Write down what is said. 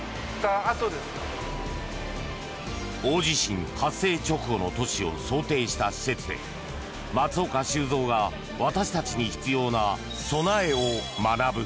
大地震発生直後の都市を想定した施設で松岡修造が私たちに必要な備えを学ぶ。